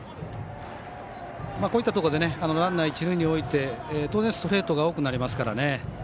こういったところでランナーを一塁に置いて当然、ストレートが多くなりますからね。